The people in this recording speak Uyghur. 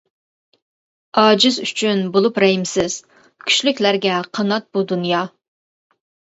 ئاجىز ئۈچۈن بولۇپ رەھىمسىز، كۈچلۈكلەرگە قانات بۇ دۇنيا.